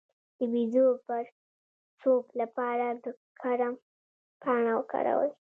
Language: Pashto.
د بیضو د پړسوب لپاره د کرم پاڼه وکاروئ